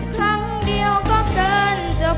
ครั้งเดียวก็เกินจบ